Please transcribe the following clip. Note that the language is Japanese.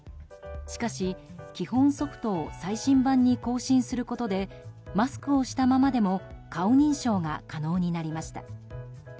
しかし、基本ソフトを最新版に更新することでマスクをしたままでも顔認証が可能になりました。